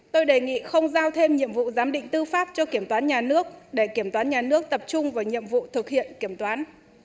tôi đề nghị không giao thêm nhiệm vụ giám định tư pháp cho kiểm toán nhà nước để kiểm toán nhà nước tập trung vào nhiệm vụ thực hiện kiểm toán